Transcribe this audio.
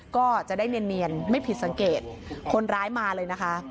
ก็จะได้เนียนไม่ผิดสังเกตคนร้ายมาเลยนะคะ